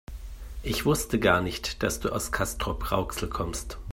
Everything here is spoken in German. Ich wusste gar nicht, dass du aus Castrop-Rauxel kommst